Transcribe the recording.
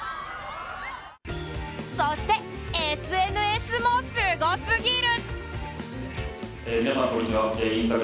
そしてＳＮＳもすごすぎる。